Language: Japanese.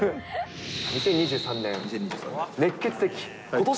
２０２３年